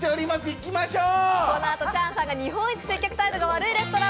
行きましょう。